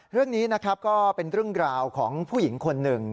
เรื่องนี้นะครับก็เป็นเรื่องราวของผู้หญิงคนหนึ่ง